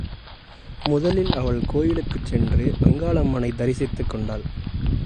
முதலில் அவள் கோயிலுக்குச் சென்று அங்காளம்மனைத் தரிசித்துக்கொண்டாள்.